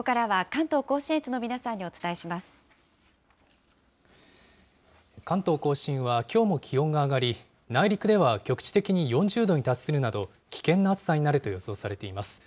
関東甲信はきょうも気温が上がり、内陸では局地的に４０度に達するなど、危険な暑さになると予想されています。